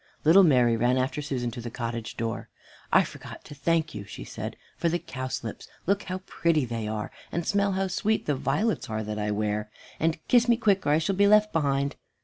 Little Mary ran after Susan to the cottage door. "I forgot to thank you," she said, "for the cowslips. Look how pretty they are, and smell how sweet the violets are that I wear, and kiss me quick or I shall be left behind."